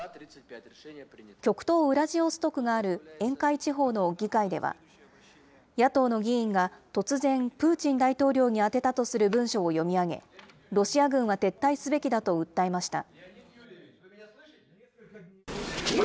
極東ウラジオストクがある沿海地方の議会では、野党の議員が突然、プーチン大統領に宛てたとする文書を読み上げ、ロシア軍は撤退すべきだと訴えました。